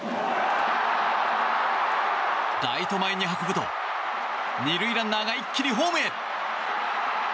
ライト前に運ぶと２塁ランナーが一気にホームへ。